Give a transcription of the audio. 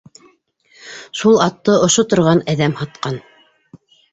Шул атты ошо торған әҙәм һатҡан!